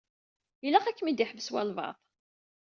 Ilaq ad kem-id-iḥbes walebɛaḍ.